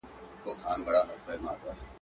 غزل – عبدالباري جهاني.